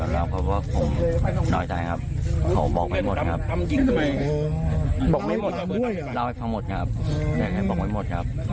ลาวให้ฟังหมดครับแม่งให้บอกให้หมดครับ